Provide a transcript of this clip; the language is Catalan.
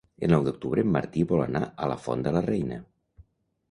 El nou d'octubre en Martí vol anar a la Font de la Reina.